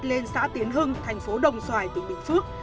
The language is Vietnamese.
lên xã tiến hưng thành phố đồng xoài tỉnh bình phước